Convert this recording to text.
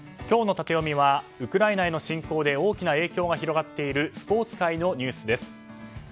今日のタテヨミはウクライナへの侵攻で大きな影響が広がっているスポーツ界のニュースです。